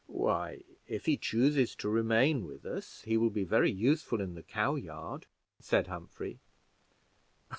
"Why if he chooses to remain with us, he will be very useful in the cow yard," said Humphrey.